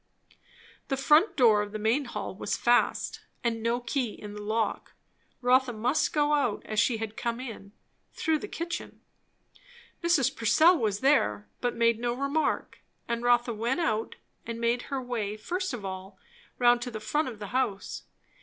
The front door of the main hall was fast, and no key in the lock; Rotha must go out as she had come in, through the kitchen. Mrs. Purcell was there, but made no remark, and Rotha went out and made her way first of all round to the front of the house.